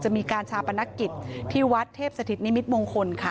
มีการชาปนกิจที่วัดเทพสถิตนิมิตมงคลค่ะ